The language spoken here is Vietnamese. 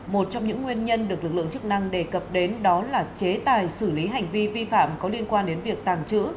một trong những nguyên nhân được lực lượng chức năng đề cập đến đó là chế tài xử lý hành vi vi phạm có liên quan đến việc tàng trữ